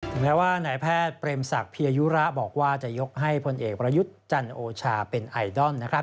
แม้ว่านายแพทย์เปรมศักดิยยุระบอกว่าจะยกให้พลเอกประยุทธ์จันโอชาเป็นไอดอลนะครับ